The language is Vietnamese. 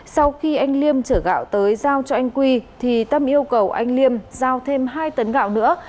sau khi anh liêm trở gạo tới giao cho anh quy thì tâm yêu cầu anh liêm giao thêm hai tấn gạo nữa